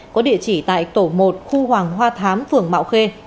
có địa chỉ tại tổ một khu hoàng hoa thám phường mạo khê